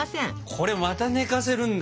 これまた寝かせるんだ？